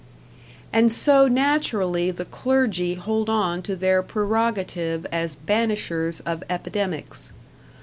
And so naturally the clergy hold on to their prerogative as banishers of epidemics.